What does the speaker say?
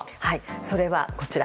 それは、こちら。